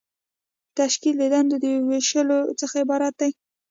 تشکیل د دندو د ویشلو څخه عبارت دی.